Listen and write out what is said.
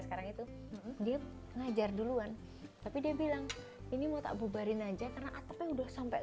sekarang itu dia ngajar duluan tapi dia bilang ini mau tak bubarin aja karena atapnya udah sampai